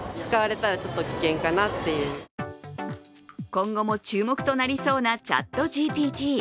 今後も注目となりそうなＣｈａｔＧＰＴ。